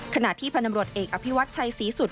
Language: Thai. ขณะที่พันธบรวจเอกอภิวัติชัยศรีสุด